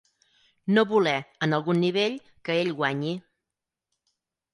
No voler, en algun nivell, que ell guanyi.